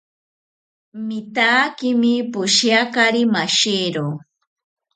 Mitaakimi poshiakari mashero